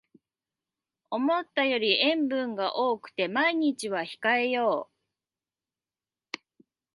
思ったより塩分が多くて毎日は控えよう